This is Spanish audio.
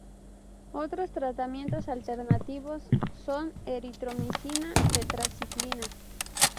Otros tratamientos alternativos son: eritromicina, tetraciclina.